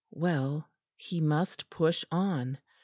Well, he must push on.